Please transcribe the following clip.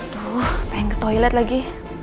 aduh pengen ke toilet lagi